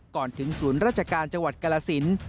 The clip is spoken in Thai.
ก่อนถึงศูนย์ราชการจังหวัดกรสิน